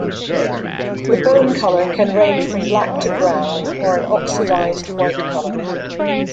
The bone color can range from black to brown or an oxidized white color.